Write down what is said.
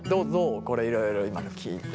これいろいろ今聞いて。